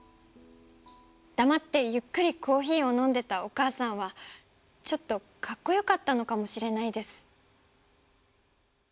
黙ってゆっくりコーヒーを飲んでたお母さんはちょっとかっこよかったのかもしれないです。